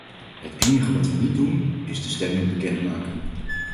Het enige wat we niet doen, is de stemming bekendmaken.